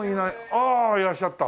ああいらっしゃった。